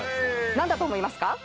何だと思いますか？